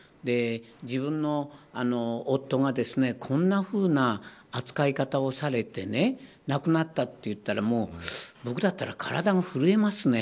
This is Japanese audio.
自分の夫がこんなふうな扱い方をされてね亡くなったといったら僕だったら体が震えますね。